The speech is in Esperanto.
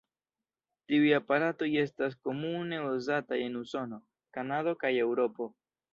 Tiuj aparatoj estas komune uzataj en Usono, Kanado kaj Eŭropo.